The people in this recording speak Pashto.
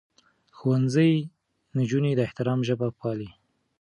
ښوونځی نجونې د احترام ژبه پالي.